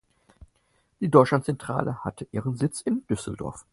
Die Deutschlandzentrale hatte ihren Sitz in Düsseldorf.